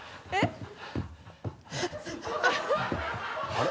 あれ？